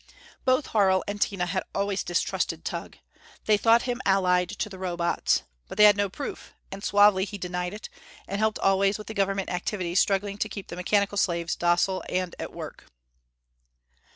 Both Harl and Tina had always distrusted Tugh. They thought him allied to the Robots. But they had no proof; and suavely he denied it, and helped always with the Government activities struggling to keep the mechanical slaves docile and at work.